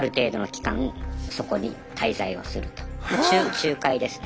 仲介ですね。